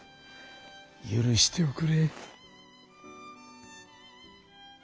ゆるしておくれ」。